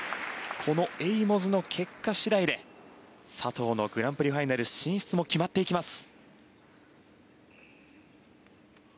このエイモズの結果次第で佐藤のグランプリファイナル進出も決まってきます。